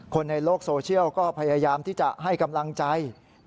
คนในโลกโซเชียลก็พยายามที่จะให้กำลังใจ